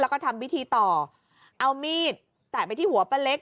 แล้วก็ทำพิธีต่อเอามีดแตะไปที่หัวป้าเล็ก